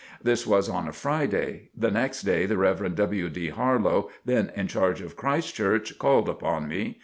This was on a Friday. The next day, the Rev. W. D. Harlow, then in charge of Christ Church, called upon me.